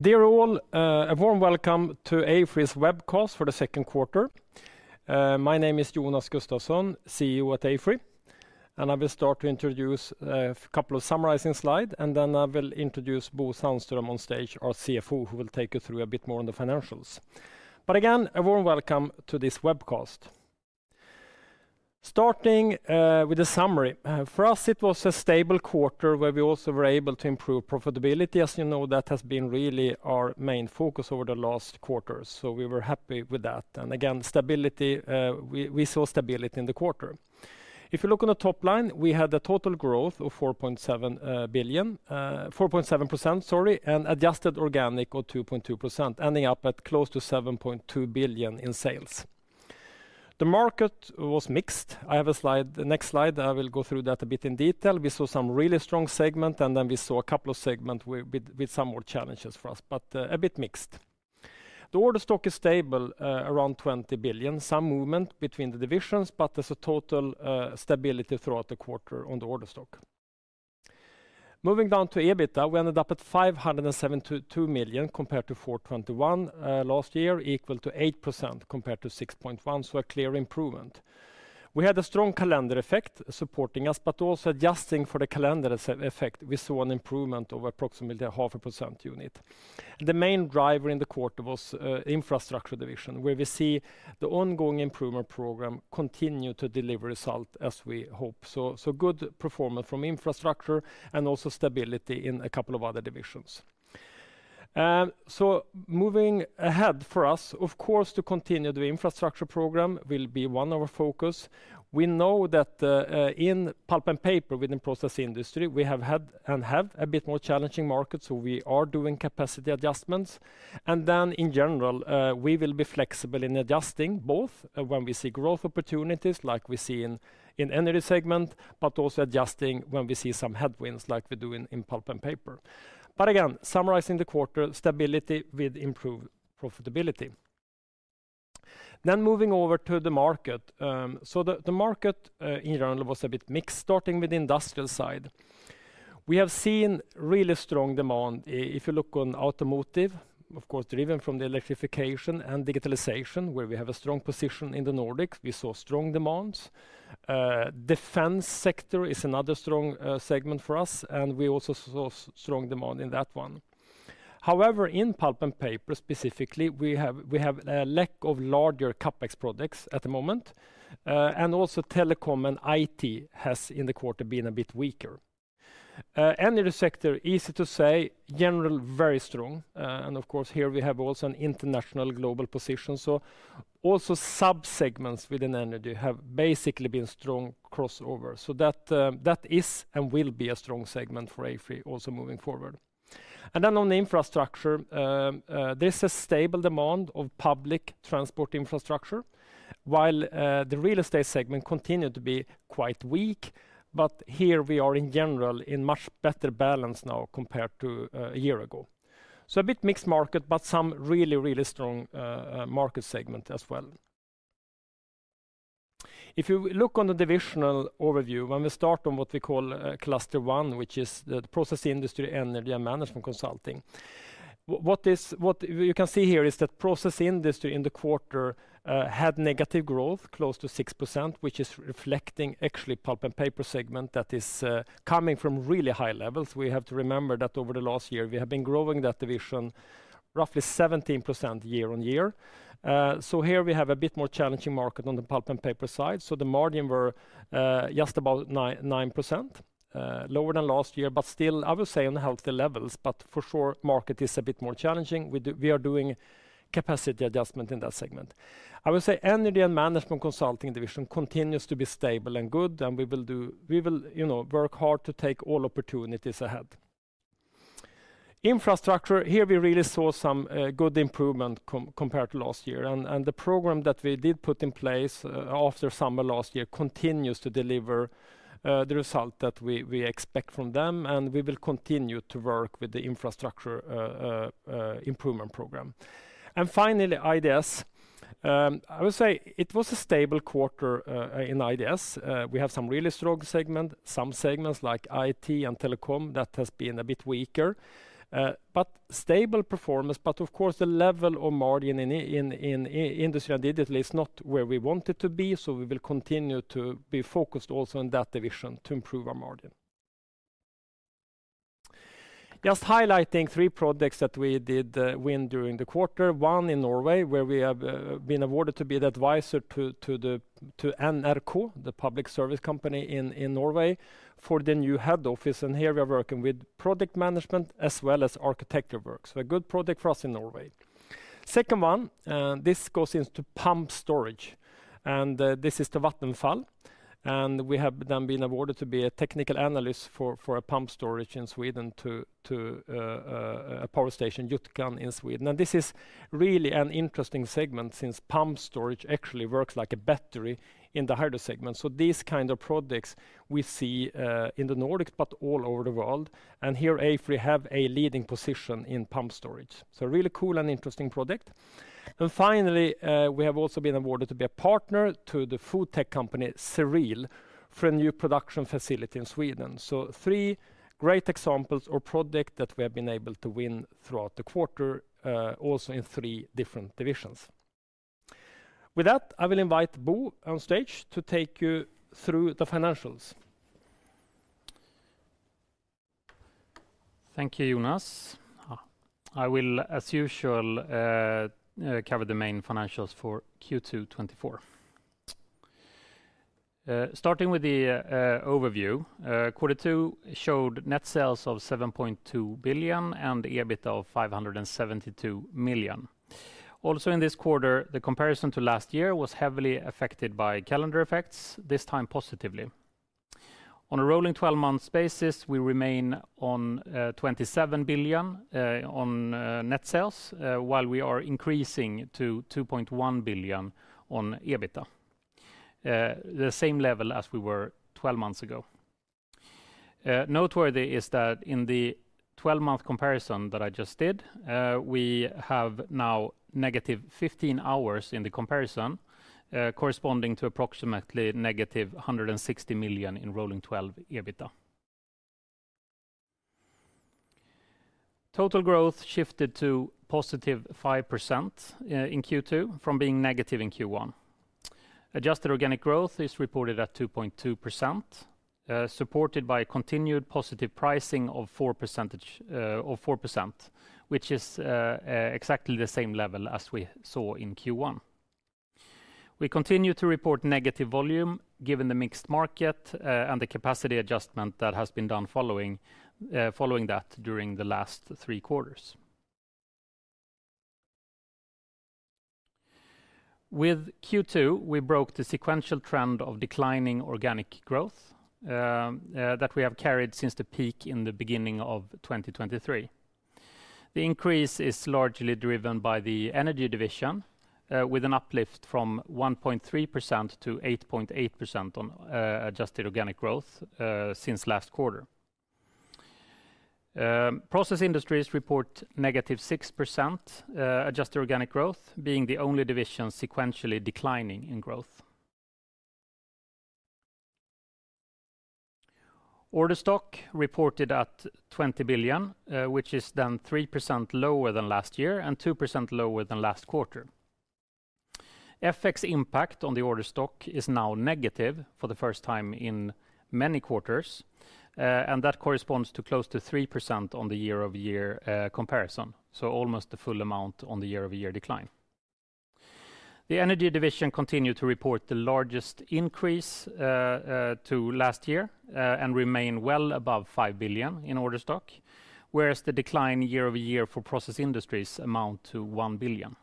Dear all, a warm welcome to AFRY's webcast for the second quarter. My name is Jonas Gustavsson, CEO at AFRY, and I will start to introduce a couple of summarizing slide, and then I will introduce Bo Sandström on stage, our CFO, who will take you through a bit more on the financials. But again, a warm welcome to this webcast. Starting with a summary. For us, it was a stable quarter, where we also were able to improve profitability. As you know, that has been really our main focus over the last quarter, so we were happy with that, and again, stability, we, we saw stability in the quarter. If you look on the top line, we had a total growth of 4.7 billion, 4.7%, sorry, and adjusted organic of 2.2%, ending up at close to 7.2 billion in sales. The market was mixed. I have a slide, the next slide, I will go through that a bit in detail. We saw some really strong segment, and then we saw a couple of segment with some more challenges for us, but a bit mixed. The order stock is stable around 20 billion. Some movement between the divisions, but there's a total stability throughout the quarter on the order stock. Moving down to EBITA, we ended up at 572 million, compared to 421 million last year, equal to 8%, compared to 6.1%, so a clear improvement. We had a strong calendar effect supporting us, but also adjusting for the calendar effect, we saw an improvement of approximately 0.5 percentage points. The main driver in the quarter was Infrastructure division, where we see the ongoing improvement program continue to deliver result as we hope. So good performance from Infrastructure, and also stability in a couple of other divisions. So moving ahead, for us, of course, to continue the Infrastructure program will be one of our focus. We know that in pulp and paper, within Process Industries, we have had, and have, a bit more challenging market, so we are doing capacity adjustments. And then, in general, we will be flexible in adjusting, both when we see growth opportunities, like we see in Energy segment, but also adjusting when we see some headwinds, like we do in pulp and paper. But again, summarizing the quarter, stability with improved profitability. Then moving over to the market. So the market in general was a bit mixed. Starting with the industrial side, we have seen really strong demand. If you look on automotive, of course, driven from the electrification and digitalization, where we have a strong position in the Nordics, we saw strong demands. Defense sector is another strong segment for us, and we also saw strong demand in that one. However, in pulp and paper, specifically, we have a lack of larger CapEx products at the moment. And also telecom and IT has, in the quarter, been a bit weaker. Energy sector, easy to say, general, very strong, and of course, here we have also an international global position, so also sub-segments within Energy have basically been strong crossover. So that, that is, and will be, a strong segment for AFRY also moving forward. And then on the Infrastructure, there's a stable demand of public transport Infrastructure, while, the real estate segment continued to be quite weak, but here we are, in general, in much better balance now compared to, a year ago. So a bit mixed market, but some really, really strong, market segment as well. If you look on the divisional overview, when we start on what we call, cluster one, which is the Process Industries, Energy, and Management Consulting, what is... What you can see here is that Process Industries in the quarter had negative growth, close to 6%, which is reflecting actually pulp and paper segment that is coming from really high levels. We have to remember that over the last year, we have been growing that division roughly 17% year-on-year. So here we have a bit more challenging market on the pulp and paper side, so the margin were just about 9.9%. Lower than last year, but still, I would say, on the healthy levels, but for sure, market is a bit more challenging. We are doing capacity adjustment in that segment. I would say Energy and Management Consulting division continues to be stable and good, and we will, you know, work hard to take all opportunities ahead. Infrastructure, here, we really saw some good improvement compared to last year, and the program that we did put in place after summer last year continues to deliver the result that we expect from them, and we will continue to work with the Infrastructure improvement program. And finally, IDS. I would say it was a stable quarter in IDS. We have some really strong segment. Some segments, like IT and telecom, that has been a bit weaker, but stable performance, but of course, the level of margin in industry, additionally, is not where we want it to be, so we will continue to be focused also on that division to improve our margin. Just highlighting three projects that we did win during the quarter. One in Norway, where we have been awarded to be the advisor to the NRK, the public service company in Norway, for the new head office, and here we are working with project management as well as architecture work, so a good project for us in Norway. Second one, this goes into pumped storage, and this is to Vattenfall, and we have then been awarded to be a technical analyst for a pumped storage in Sweden to a power station, Jukkasjärvi, in Sweden. And this is really an interesting segment since pumped storage actually works like a battery in the hydro segment, so these kind of projects we see in the Nordics, but all over the world, and here, AFRY have a leading position in pumped storage. So really cool and interesting project. And finally, we have also been awarded to be a partner to the food tech company, Cerealia, for a new production facility in Sweden. So three great examples of projects that we have been able to win throughout the quarter, also in three different divisions.... With that, I will invite Bo on stage to take you through the financials. Thank you, Jonas. I will, as usual, cover the main financials for Q2 2024. Starting with the overview, quarter two showed net sales of 7.2 billion, and EBIT of 572 million. Also, in this quarter, the comparison to last year was heavily affected by calendar effects, this time positively. On a rolling twelve-month basis, we remain on 27 billion on net sales, while we are increasing to 2.1 billion on EBITA. The same level as we were twelve months ago. Noteworthy is that in the twelve-month comparison that I just did, we have now -15 hours in the comparison, corresponding to approximately -160 million in rolling twelve EBITA. Total growth shifted to +5% in Q2, from being negative in Q1. Adjusted organic growth is reported at 2.2%, supported by a continued positive pricing of four percentage, or 4%, which is exactly the same level as we saw in Q1. We continue to report negative volume, given the mixed market, and the capacity adjustment that has been done following that during the last three quarters. With Q2, we broke the sequential trend of declining organic growth that we have carried since the peak in the beginning of 2023. The increase is largely driven by the Energy division, with an uplift from 1.3%-8.8% on adjusted organic growth since last quarter. Process industries report -6% adjusted organic growth, being the only division sequentially declining in growth. Order stock reported at 20 billion, which is then 3% lower than last year and 2% lower than last quarter. FX impact on the order stock is now negative for the first time in many quarters, and that corresponds to close to 3% on the year-over-year comparison, so almost the full amount on the year-over-year decline. The Energy division continued to report the largest increase to last year and remain well above 5 billion in order stock, whereas the decline year over year for process industries amount to 1 billion.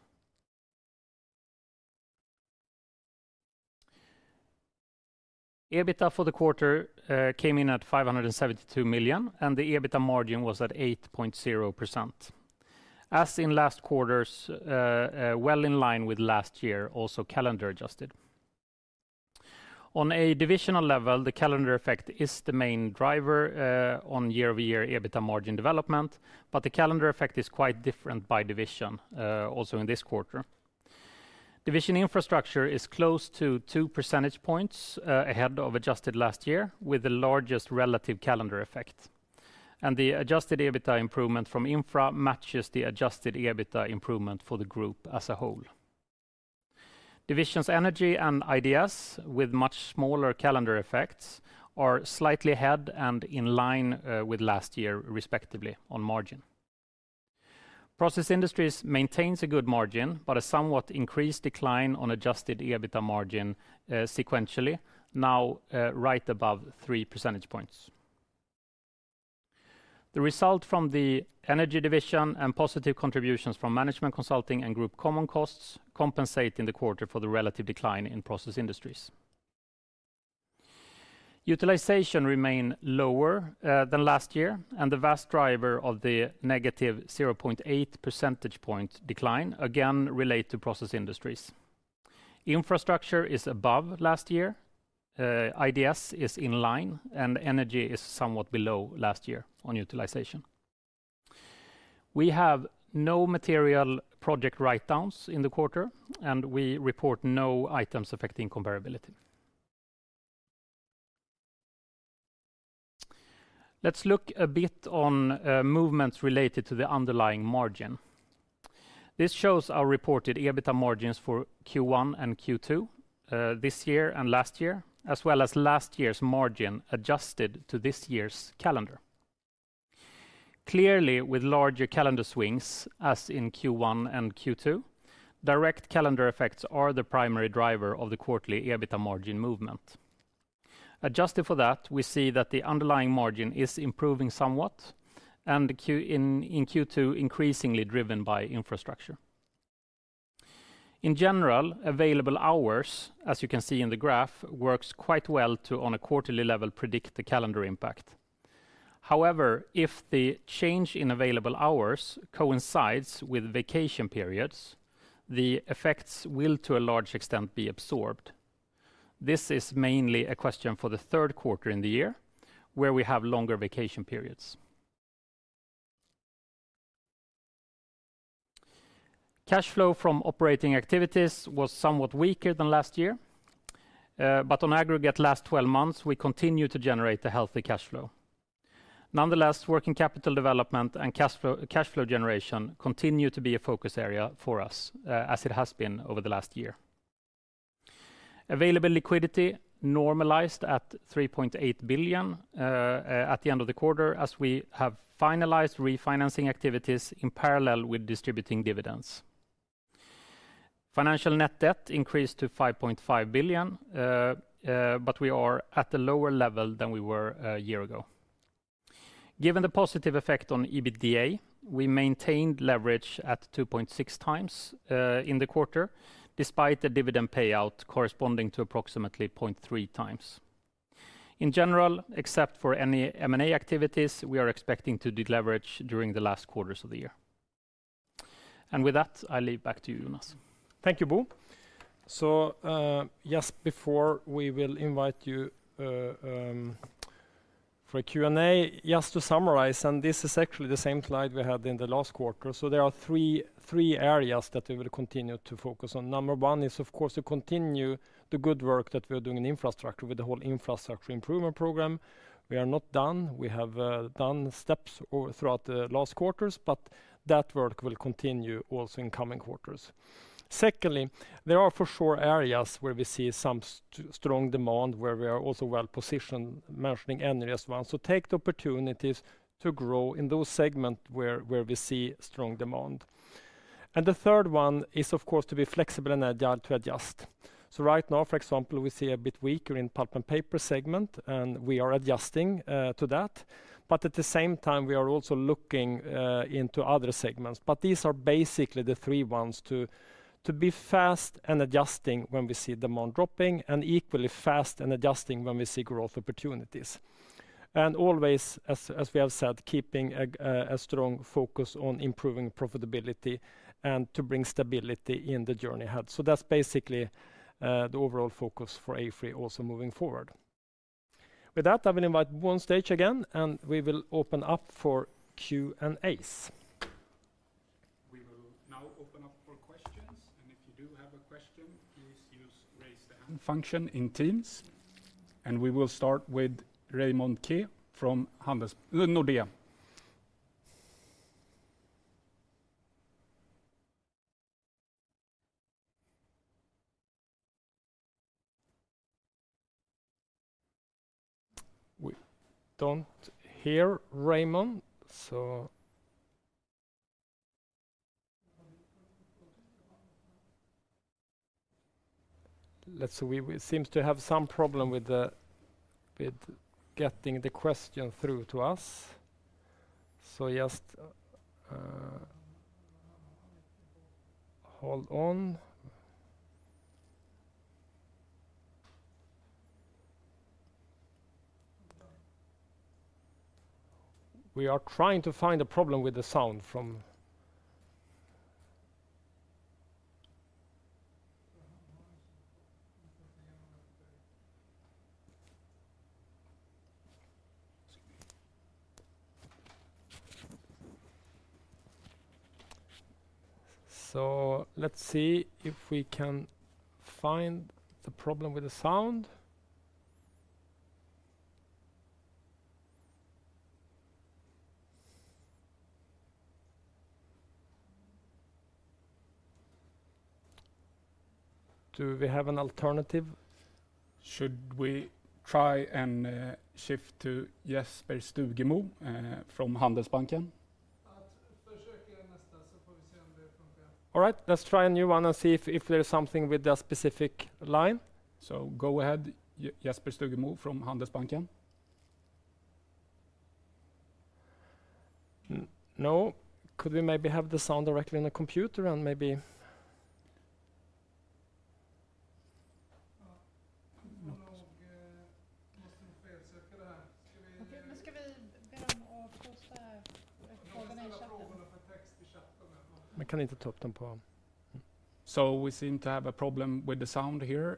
EBITA for the quarter came in at 572 million, and the EBITA margin was at 8.0%. As in last quarters, well in line with last year, also, calendar adjusted. On a divisional level, the calendar effect is the main driver, on year-over-year EBITA margin development, but the calendar effect is quite different by division, also in this quarter. Division Infrastructure is close to two percentage points, ahead of adjusted last year, with the largest relative calendar effect. The adjusted EBITA improvement from Infra matches the adjusted EBITA improvement for the group as a whole. Divisions Energy and IDS, with much smaller calendar effects, are slightly ahead and in line, with last year, respectively, on margin. Process Industries maintains a good margin, but a somewhat increased decline on adjusted EBITA margin, sequentially, now, right above three percentage points. The result from the Energy division and positive contributions from Management Consulting and group common costs compensate in the quarter for the relative decline in Process Industries. Utilization remained lower than last year, and the vast driver of the negative 0.8 percentage point decline, again, relate to process industries. Infrastructure is above last year, IDS is in line, and Energy is somewhat below last year on utilization. We have no material project writedowns in the quarter, and we report no items affecting comparability. Let's look a bit on movements related to the underlying margin. This shows our reported EBITA margins for Q1 and Q2 this year and last year, as well as last year's margin, adjusted to this year's calendar. Clearly, with larger calendar swings, as in Q1 and Q2, direct calendar effects are the primary driver of the quarterly EBITA margin movement. Adjusted for that, we see that the underlying margin is improving somewhat, and in Q2, increasingly driven by Infrastructure. In general, available hours, as you can see in the graph, works quite well to, on a quarterly level, predict the calendar impact. However, if the change in available hours coincides with vacation periods, the effects will, to a large extent, be absorbed. This is mainly a question for the third quarter in the year, where we have longer vacation periods. Cash flow from operating activities was somewhat weaker than last year, but on aggregate last twelve months, we continue to generate a healthy cash flow.... Nonetheless, working capital development and cash flow, cash flow generation continue to be a focus area for us, as it has been over the last year. Available liquidity normalized at 3.8 billion at the end of the quarter, as we have finalized refinancing activities in parallel with distributing dividends. Financial net debt increased to 5.5 billion, but we are at a lower level than we were a year ago. Given the positive effect on EBITA, we maintained leverage at 2.6 times in the quarter, despite the dividend payout corresponding to approximately 0.3 times. In general, except for any M&A activities, we are expecting to deleverage during the last quarters of the year. And with that, I leave back to you, Jonas. Thank you, Bo. So, just before we will invite you for a Q&A, just to summarize, and this is actually the same slide we had in the last quarter. So there are three areas that we will continue to focus on. Number one is, of course, to continue the good work that we are doing in Infrastructure with the whole Infrastructure improvement program. We are not done. We have done steps throughout the last quarters, but that work will continue also in coming quarters. Secondly, there are for sure areas where we see some strong demand, where we are also well-positioned, mentioning Energy as one. So take the opportunities to grow in those segment where we see strong demand. And the third one is, of course, to be flexible and agile to adjust. So right now, for example, we see a bit weaker in pulp and paper segment, and we are adjusting to that, but at the same time, we are also looking into other segments. But these are basically the three ones to be fast and adjusting when we see demand dropping, and equally fast and adjusting when we see growth opportunities. And always, as we have said, keeping a strong focus on improving profitability and to bring stability in the journey ahead. So that's basically the overall focus for AFRY also moving forward. With that, I will invite Bo on stage again, and we will open up for Q&As. We will now open up for questions, and if you do have a question, please use Raise the Hand function in Teams, and we will start with Raymond Ke from Nordea. We don't hear Raymond. Let's see, we seem to have some problem with getting the question through to us. Just hold on. We are trying to find a problem with the sound. So let's see if we can find the problem with the sound. Do we have an alternative? Should we try and shift to Jesper Skogum from Handelsbanken? All right, let's try a new one and see if there is something with the specific line. So go ahead, Jesper Skogum from Handelsbanken. No? Could we maybe have the sound directly in the computer? So we seem to have a problem with the sound here,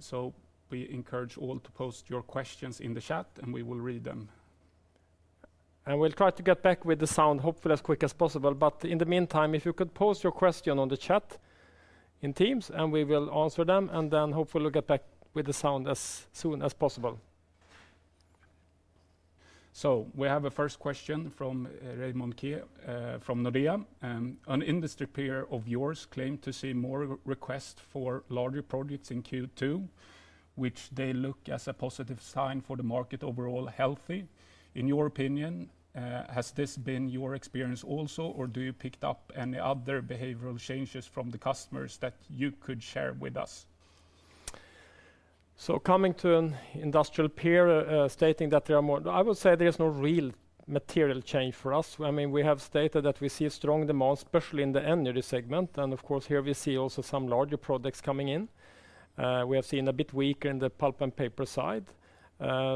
so we encourage all to post your questions in the chat, and we will read them. We'll try to get back with the sound, hopefully, as quick as possible. But in the meantime, if you could post your question on the chat in Teams, and we will answer them, and then hopefully we'll get back with the sound as soon as possible. So we have a first question from Raymond Ke from Nordea. "An industry peer of yours claimed to see more requests for larger projects in Q2, which they look as a positive sign for the market overall healthy. In your opinion, has this been your experience also, or do you picked up any other behavioral changes from the customers that you could share with us?" So coming to an industrial peer stating that there are more. I would say there is no real material change for us. I mean, we have stated that we see a strong demand, especially in the Energy segment, and of course, here we see also some larger products coming in. We have seen a bit weaker in the pulp and paper side.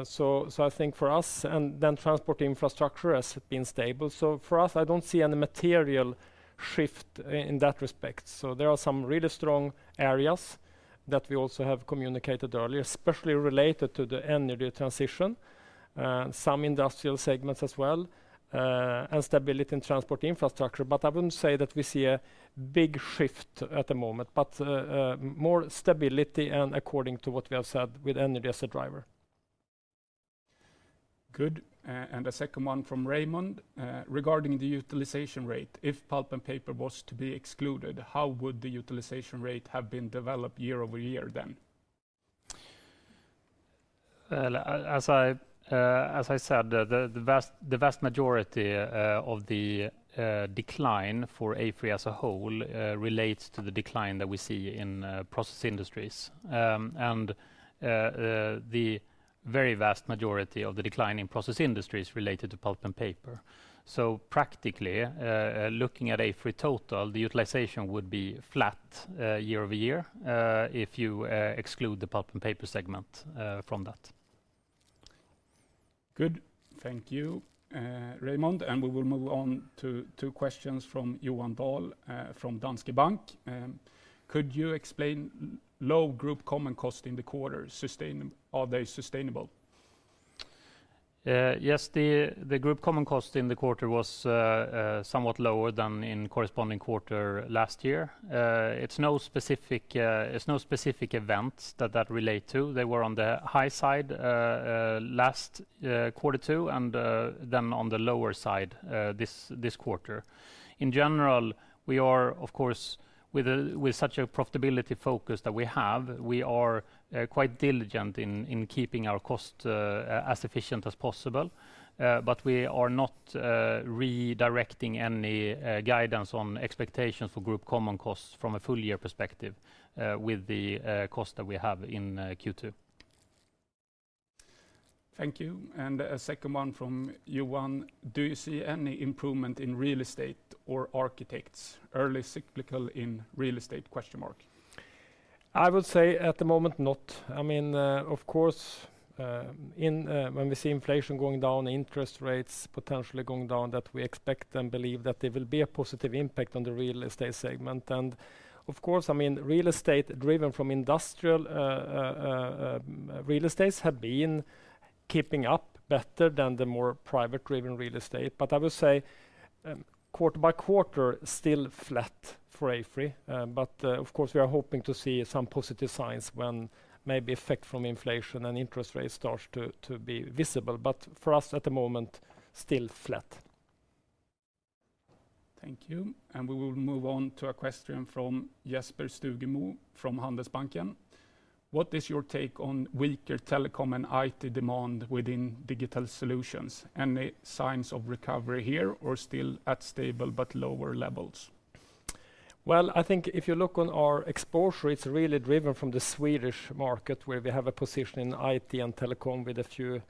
So, I think for us, and then transport Infrastructure has been stable. So for us, I don't see any material shift in that respect. So there are some really strong areas that we also have communicated earlier, especially related to the Energy transition, some industrial segments as well, and stability in transport Infrastructure. But I wouldn't say that we see a big shift at the moment, but more stability and according to what we have said with Energy as a driver.... Good. And a second one from Raymond: Regarding the utilization rate, if pulp and paper was to be excluded, how would the utilization rate have been developed year-over-year then? Well, as I said, the vast majority of the decline for AFRY as a whole relates to the decline that we see in process industries. And the very vast majority of the decline in Process Industries is related to pulp and paper. So practically, looking at AFRY total, the utilization would be flat year-over-year if you exclude the pulp and paper segment from that. Good. Thank you, Raymond, and we will move on to two questions from Johan Dahl from Danske Bank. Could you explain low group common cost in the quarter? Are they sustainable? Yes, the group common cost in the quarter was somewhat lower than in corresponding quarter last year. It's no specific events that relate to. They were on the high side last quarter two, and then on the lower side this quarter. In general, we are, of course, with such a profitability focus that we have, we are quite diligent in keeping our cost as efficient as possible. But we are not redirecting any guidance on expectations for group common costs from a full year perspective with the cost that we have in Q2. Thank you, and a second one from Johan: Do you see any improvement in real estate or architects, early cyclical in real estate? I would say at the moment, not. I mean, of course, in when we see inflation going down, interest rates potentially going down, that we expect and believe that there will be a positive impact on the real estate segment. And of course, I mean, real estate driven from industrial, real estates have been keeping up better than the more private-driven real estate. But I will say, quarter by quarter, still flat for AFRY. But, of course, we are hoping to see some positive signs when maybe effect from inflation and interest rates starts to be visible. But for us at the moment, still flat. Thank you, and we will move on to a question from Jesper Skogum from Handelsbanken: What is your take on weaker telecom and IT demand within digital solutions? Any signs of recovery here, or still at stable but lower levels? Well, I think if you look on our exposure, it's really driven from the Swedish market, where we have a position in IT and telecom with a few,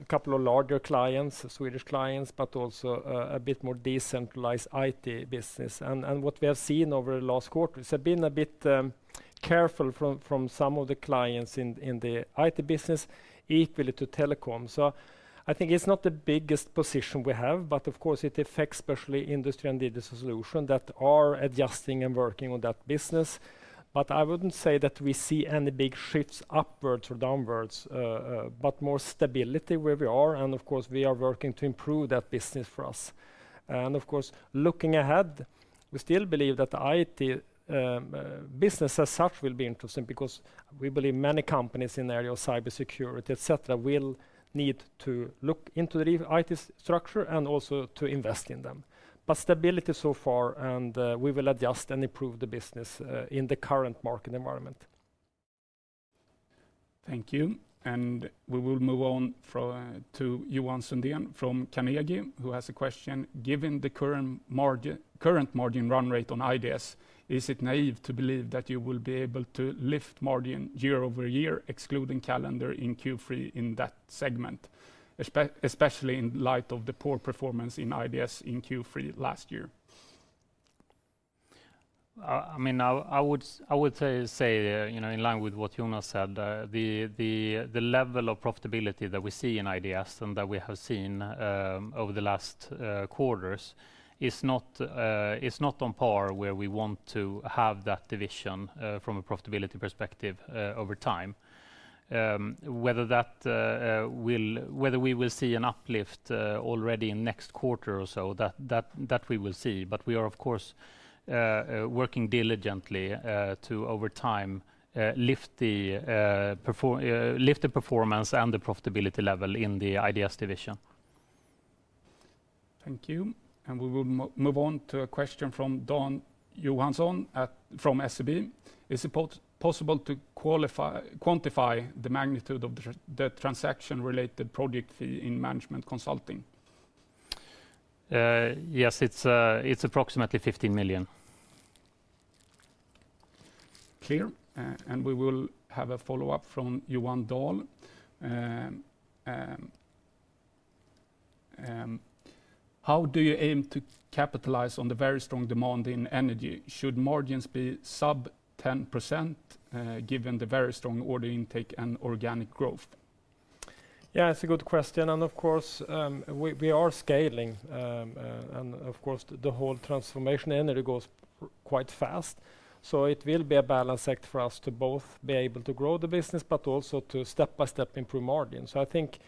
a couple of larger clients, Swedish clients, but also a bit more decentralized IT business. And what we have seen over the last quarter, it's been a bit careful from some of the clients in the IT business, equally to telecom. So I think it's not the biggest position we have, but of course, it affects especially Industrial and Digital Solutions that are adjusting and working on that business. But I wouldn't say that we see any big shifts upwards or downwards, but more stability where we are, and of course, we are working to improve that business for us. And of course, looking ahead, we still believe that the IT business as such will be interesting because we believe many companies in the area of cybersecurity, et cetera, will need to look into the IT structure and also to invest in them. But stability so far, and we will adjust and improve the business in the current market environment. Thank you, and we will move on from to Johan Sundén from Carnegie, who has a question: Given the current margin, current margin run rate on IDS, is it naive to believe that you will be able to lift margin year-over-year, excluding calendar in Q3 in that segment, especially in light of the poor performance in IDS in Q3 last year? I mean, I would say, you know, in line with what Jonas said, the level of profitability that we see in IDS and that we have seen over the last quarters is not on par where we want to have that division from a profitability perspective over time. Whether we will see an uplift already in next quarter or so, that we will see. But we are, of course, working diligently to, over time, lift the performance and the profitability level in the IDS division. Thank you, and we will move on to a question from Dan Johansson at SEB: Is it possible to qualify, quantify the magnitude of the transaction-related project fee in Management Consulting? Yes, it's approximately SEK 50 million. Clear, and we will have a follow-up from Johan Dahl. How do you aim to capitalize on the very strong demand in Energy? Should margins be sub 10%, given the very strong order intake and organic growth? Yeah, it's a good question, and of course, we are scaling. And of course, the whole transformation Energy goes quite fast, so it will be a balance act for us to both be able to grow the business, but also to step by step improve margin. So I think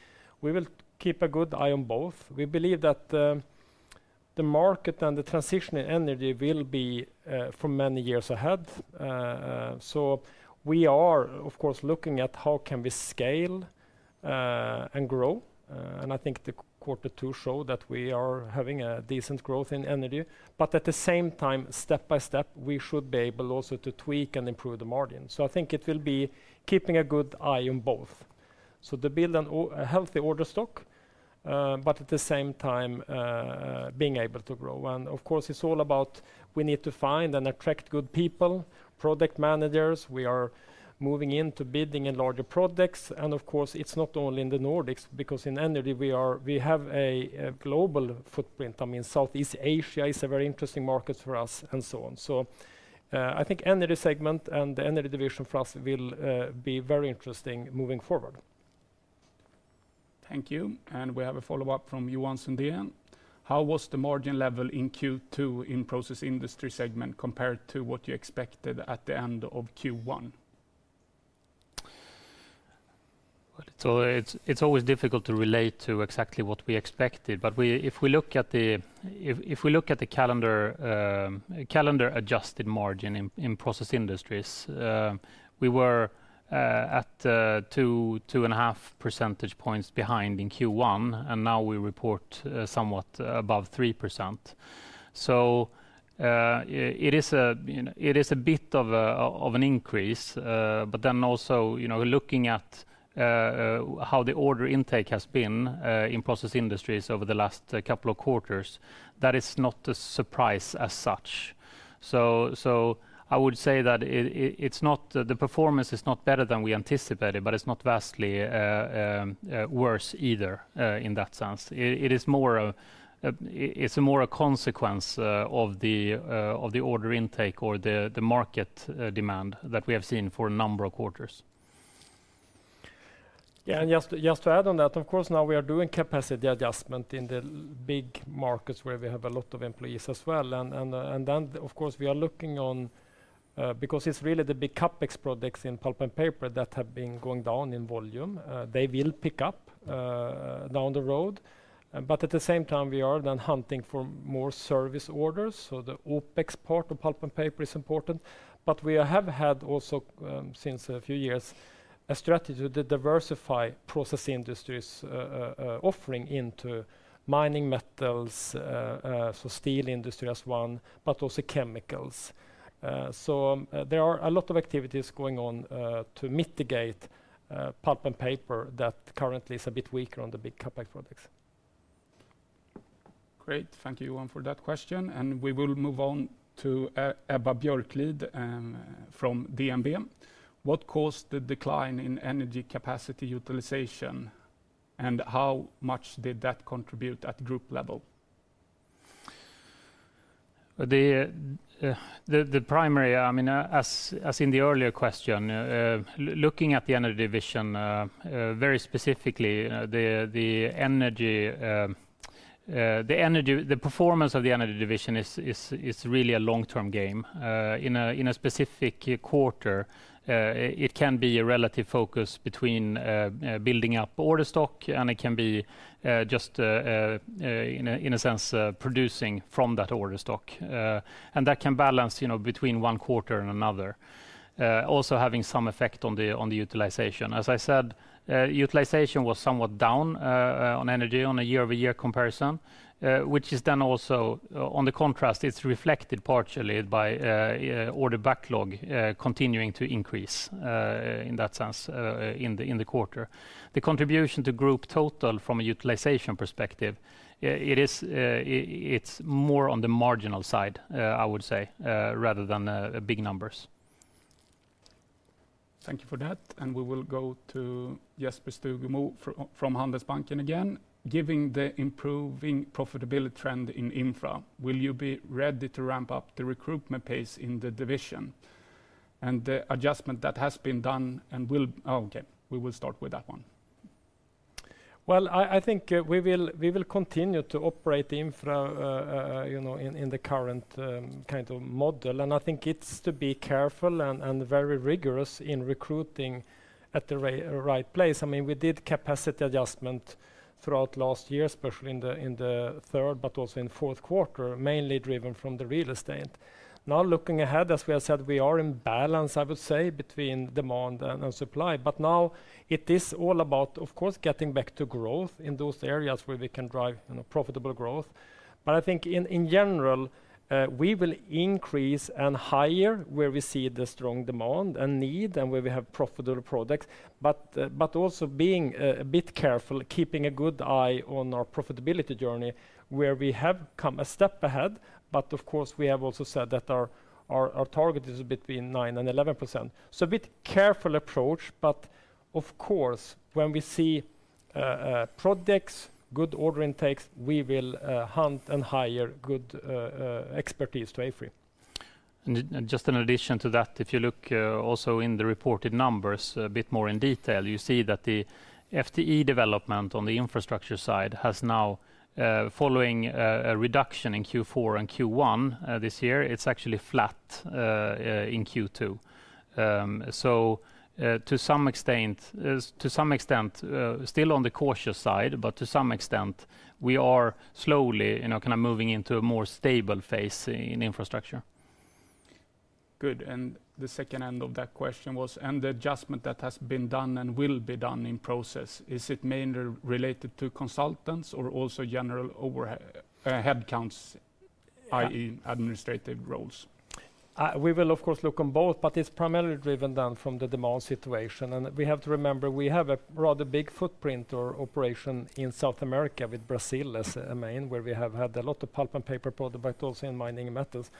we will keep a good eye on both. We believe that the market and the transition in Energy will be for many years ahead. So we are, of course, looking at how can we scale and grow, and I think the quarter two show that we are having a decent growth in Energy, but at the same time, step by step, we should be able also to tweak and improve the margin. So I think it will be keeping a good eye on both. To build on a healthy order stock, but at the same time, being able to grow. Of course, it's all about we need to find and attract good people, product managers. We are moving into building in larger products, and of course, it's not only in the Nordics, because in Energy, we have a global footprint. I mean, Southeast Asia is a very interesting market for us, and so on. So, I think Energy segment and the Energy division for us will be very interesting moving forward. Thank you, and we have a follow-up from Johan Sundén. How was the margin level in Q2 in Process Industries segment compared to what you expected at the end of Q1? Well, it's always difficult to relate to exactly what we expected, but if we look at the calendar, calendar-adjusted margin in process industries, we were at 2.5 percentage points behind in Q1, and now we report somewhat above 3%. So, it is a, you know, it is a bit of an increase, but then also, you know, looking at how the order intake has been in process industries over the last couple of quarters, that is not a surprise as such. So, I would say that it's not, the performance is not better than we anticipated, but it's not vastly worse either, in that sense. It's more a consequence of the order intake or the market demand that we have seen for a number of quarters. Yeah, and just to add on that, of course, now we are doing capacity adjustment in the big markets where we have a lot of employees as well. And then, of course, we are looking on, because it's really the big CapEx products in pulp and paper that have been going down in volume. They will pick up down the road, but at the same time, we are then hunting for more service orders, so the OpEx part of pulp and paper is important. But we have had also, since a few years, a strategy to diversify process industries, offering into mining metals, so steel industry as one, but also chemicals. There are a lot of activities going on to mitigate pulp and paper that currently is a bit weaker on the big CapEx products. Great. Thank you, Johan, for that question, and we will move on to Ebba Björklid from DNB. What caused the decline in Energy capacity utilization, and how much did that contribute at group level? The primary, I mean, as in the earlier question, looking at the Energy division, very specifically, the Energy—the performance of the Energy division is really a long-term game. In a specific quarter, it can be a relative focus between building up order stock, and it can be just, in a sense, producing from that order stock. And that can balance, you know, between one quarter and another, also having some effect on the utilization. As I said, utilization was somewhat down on Energy on a year-over-year comparison, which is then also on the contrast, it's reflected partially by order backlog continuing to increase in that sense in the quarter. The contribution to group total from a utilization perspective, it is, it's more on the marginal side, I would say, rather than big numbers. Thank you for that, and we will go to Jesper Skogum from Handelsbanken again. Giving the improving profitability trend in Infra, will you be ready to ramp up the recruitment pace in the division, and the adjustment that has been done and will-- Oh, okay, we will start with that one. Well, I think, we will, we will continue to operate the Infra, you know, in the current kind of model, and I think it's to be careful and very rigorous in recruiting at the right place. I mean, we did capacity adjustment throughout last year, especially in the third, but also in fourth quarter, mainly driven from the real estate. Now, looking ahead, as we have said, we are in balance, I would say, between demand and supply, but now it is all about, of course, getting back to growth in those areas where we can drive, you know, profitable growth. But I think in general, we will increase and hire where we see the strong demand and need, and where we have profitable products, but also being a bit careful, keeping a good eye on our profitability journey, where we have come a step ahead, but of course, we have also said that our target is between 9% and 11%. So a bit careful approach, but of course, when we see products, good order intakes, we will hunt and hire good expertise to AFRY. Just in addition to that, if you look also in the reported numbers a bit more in detail, you see that the FTE development on the Infrastructure side has now, following a reduction in Q4 and Q1 this year, it's actually flat in Q2. To some extent, to some extent, still on the cautious side, but to some extent, we are slowly, you know, kind of moving into a more stable phase in Infrastructure. ... Good, and the second end of that question was, and the adjustment that has been done and will be done in process, is it mainly related to consultants or also general overhead headcounts, i.e., administrative roles? We will, of course, look on both, but it's primarily driven down from the demand situation. We have to remember, we have a rather big footprint or operation in South America, with Brazil as a main, where we have had a lot of pulp and paper product, but also in mining and metals.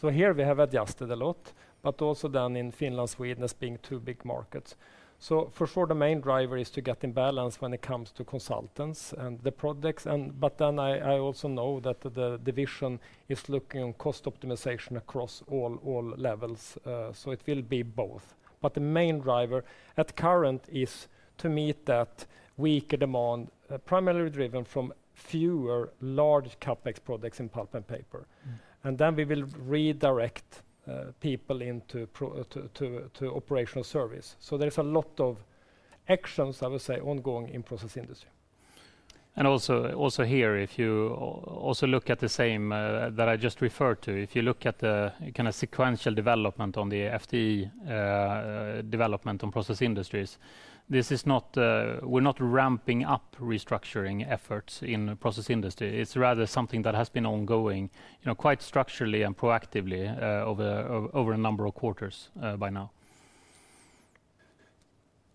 So here we have adjusted a lot, but also down in Finland, Sweden, as being two big markets. So for sure, the main driver is to get in balance when it comes to consultants and the products, and but then I also know that the vision is looking on cost optimization across all levels. So it will be both. But the main driver at current is to meet that weaker demand, primarily driven from fewer large CapEx products in pulp and paper. Mm. Then we will redirect people into project to operational service. There is a lot of actions, I would say, ongoing in Process Industries. Also here, if you also look at the same that I just referred to, if you look at the kind of sequential development on the FTE development on process industries, this is not... We're not ramping up restructuring efforts in Process Industries. It's rather something that has been ongoing, you know, quite structurally and proactively, over a number of quarters by now.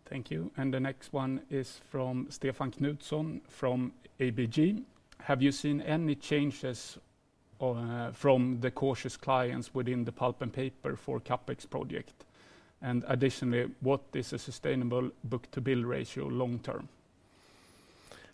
Thank you. And the next one is from Stefan Knutsson, from ABG. Have you seen any changes from the cautious clients within the pulp and paper for CapEx project? And additionally, what is a sustainable book-to-bill ratio long term?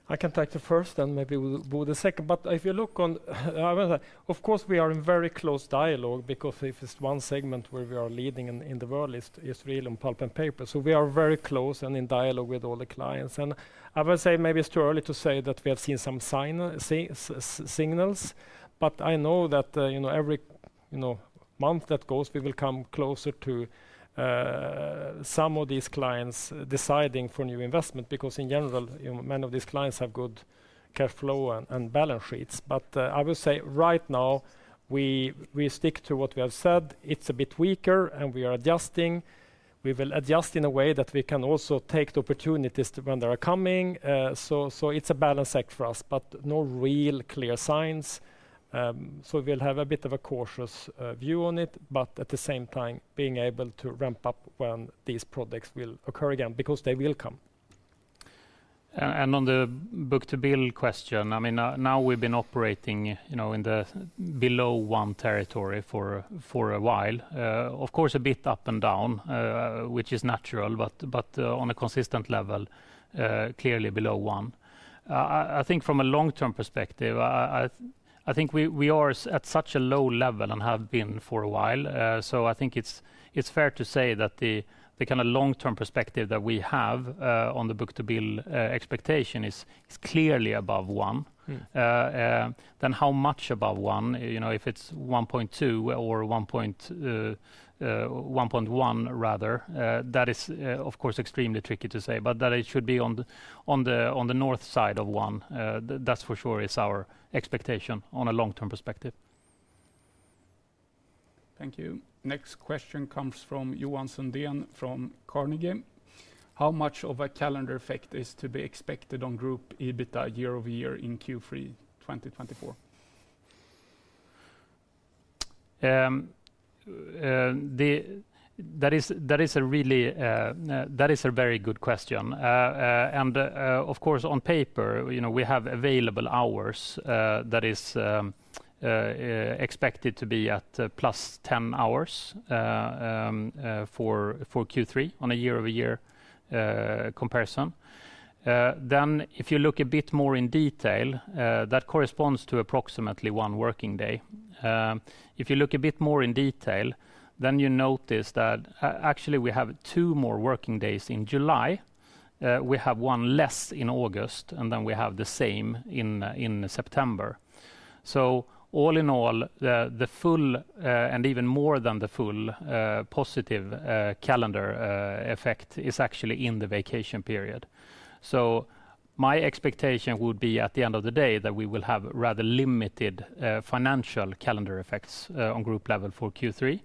I can take the first, then maybe Bo the second. But if you look on, I will. Of course, we are in very close dialogue, because if it's one segment where we are leading in the world is really on pulp and paper. So we are very close and in dialogue with all the clients. And I will say, maybe it's too early to say that we have seen some signals, but I know that, you know, every, you know, month that goes, we will come closer to some of these clients deciding for new investment. Because in general, you know, many of these clients have good cash flow and balance sheets. But I will say right now, we stick to what we have said. It's a bit weaker, and we are adjusting. We will adjust in a way that we can also take the opportunities when they are coming. So it's a balanced act for us, but no real clear signs. So we'll have a bit of a cautious view on it, but at the same time, being able to ramp up when these products will occur again, because they will come. And on the book-to-bill question, I mean, now we've been operating, you know, in the below one territory for a while. Of course, a bit up and down, which is natural, but on a consistent level, clearly below one. I think from a long-term perspective, I think we are at such a low level and have been for a while. So I think it's fair to say that the kinda long-term perspective that we have on the book-to-bill expectation is clearly above one. Mm. Then how much above one? You know, if it's 1.2 or 1.1, rather, that is, of course, extremely tricky to say, but that it should be on the, on the, on the north side of one, that's for sure is our expectation on a long-term perspective. Thank you. Next question comes from Johan Sundén, from Carnegie. How much of a calendar effect is to be expected on group EBITA year-over-year in Q3 2024? That is a very good question. And of course, on paper, you know, we have available hours that is expected to be at +10 hours for Q3, on a year-over-year comparison. Then, if you look a bit more in detail, that corresponds to approximately one working day. If you look a bit more in detail, then you notice that actually, we have two more working days in July. We have one less in August, and then we have the same in September. So all in all, the full and even more than the full positive calendar effect is actually in the vacation period. So my expectation would be, at the end of the day, that we will have rather limited financial calendar effects on group level for Q3.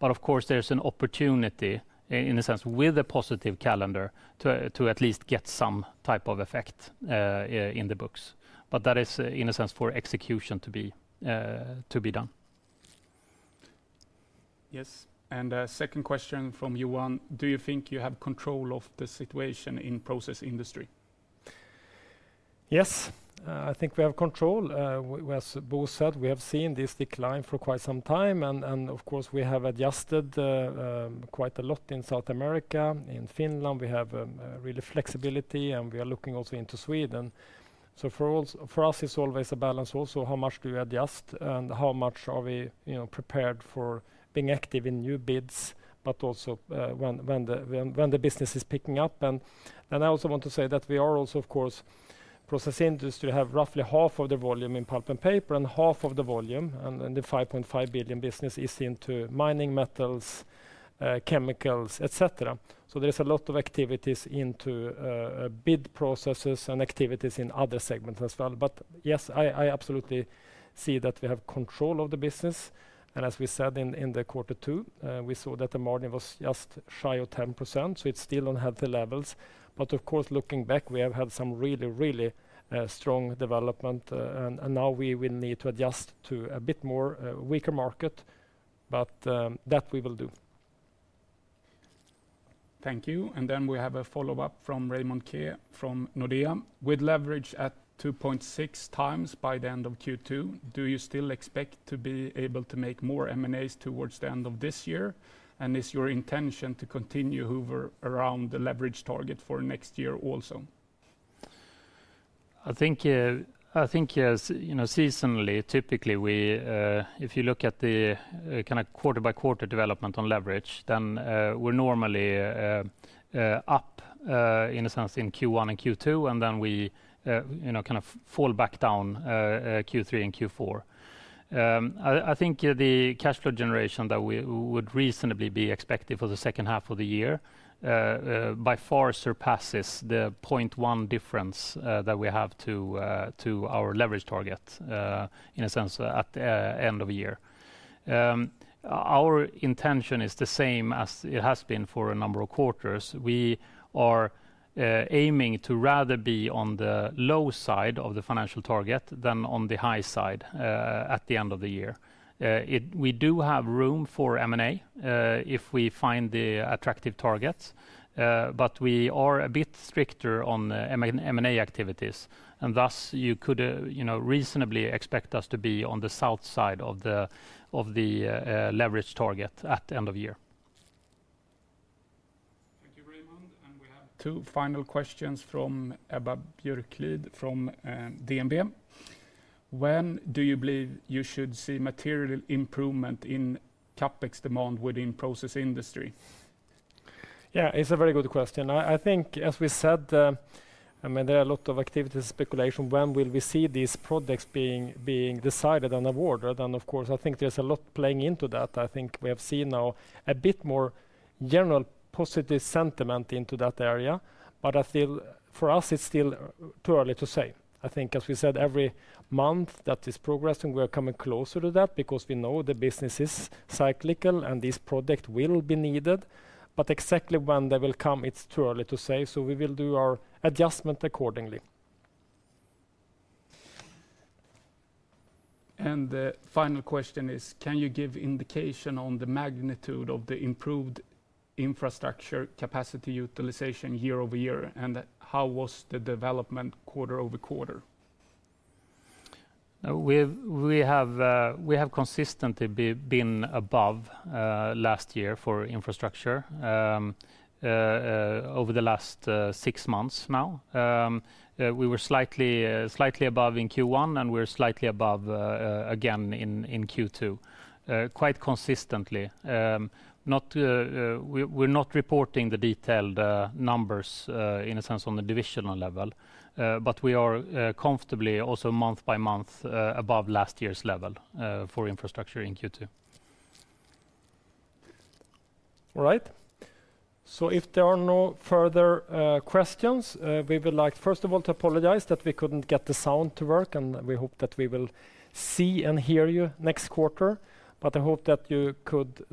But of course, there's an opportunity, in a sense, with a positive calendar, to at least get some type of effect in the books. But that is, in a sense, for execution to be done. Yes, and a second question from Johan: Do you think you have control of the situation in Process Industries? Yes, I think we have control. As Bo said, we have seen this decline for quite some time, and, and of course, we have adjusted, quite a lot in South America. In Finland, we have, really flexibility, and we are looking also into Sweden. So for us, it's always a balance. Also, how much do you adjust, and how much are we, you know, prepared for being active in new bids, but also, when the business is picking up? And, and I also want to say that we are also, of course, Process Industries have roughly half of the volume in pulp and paper, and half of the volume, and, and the 5.5 billion business, is into mining, metals, chemicals, et cetera. So there's a lot of activities into bid processes and activities in other segments as well. But yes, I absolutely see that we have control of the business, and as we said in the quarter two, we saw that the margin was just shy of 10%, so it's still on healthy levels. But of course, looking back, we have had some really, really strong development, and now we will need to adjust to a bit more weaker market, but that we will do. Thank you, and then we have a follow-up from Raymond Ke from Nordea. With leverage at 2.6 times by the end of Q2, do you still expect to be able to make more M&As towards the end of this year? And is your intention to continue hover around the leverage target for next year also? I think, yes, you know, seasonally, typically, if you look at the kinda quarter by quarter development on leverage, then we're normally up, in a sense, in Q1 and Q2, and then we you know kind of fall back down Q3 and Q4. I think the cash flow generation that we would reasonably be expected for the second half of the year by far surpasses the 0.1 difference that we have to our leverage target, in a sense, at the end of year. Our intention is the same as it has been for a number of quarters. We are aiming to rather be on the low side of the financial target than on the high side at the end of the year. We do have room for M&A if we find the attractive targets, but we are a bit stricter on M&A activities, and thus you could, you know, reasonably expect us to be on the south side of the leverage target at the end of year. Thank you, Raymond, and we have two final questions from Ebba Björklid from DNB. When do you believe you should see material improvement in CapEx demand within Process Industries? Yeah, it's a very good question. I think, as we said, I mean, there are a lot of activities, speculation, when will we see these products being decided and awarded? And of course, I think there's a lot playing into that. I think we have seen now a bit more general positive sentiment into that area, but I feel for us, it's still too early to say. I think, as we said, every month that is progressing, we are coming closer to that because we know the business is cyclical, and this product will be needed, but exactly when they will come, it's too early to say, so we will do our adjustment accordingly. The final question is, can you give indication on the magnitude of the improved Infrastructure capacity utilization year-over-year, and how was the development quarter-over-quarter? We've, we have, we have consistently been above last year for Infrastructure, over the last six months now. We were slightly, slightly above in Q1, and we're slightly above again, in Q2, quite consistently. Not, we, we're not reporting the detailed numbers, in a sense, on the divisional level, but we are comfortably also month by month above last year's level, for Infrastructure in Q2. All right. So if there are no further questions, we would like, first of all, to apologize that we couldn't get the sound to work, and we hope that we will see and hear you next quarter. But I hope that you could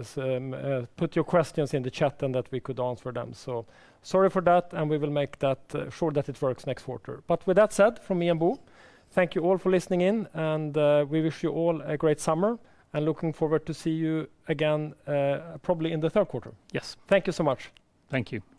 put your questions in the chat, and that we could answer them. So sorry for that, and we will make that sure that it works next quarter. But with that said, from me and Bo, thank you all for listening in, and we wish you all a great summer, and looking forward to see you again, probably in the third quarter. Yes. Thank you so much. Thank you.